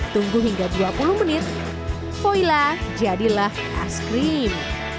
tunggu hingga dua puluh menit voila jadilah es krim